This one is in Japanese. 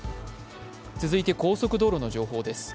続いて高速道路の情報です